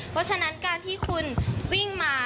เพราะฉะนั้นการที่คุณวิ่งมา